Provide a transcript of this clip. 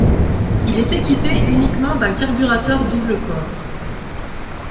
Il est équipé uniquement d'un carburateur double-corps.